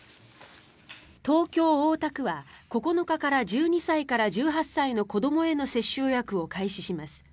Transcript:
東京・大田区は９日から１２歳から１８歳の子どもへの接種予約を開始します。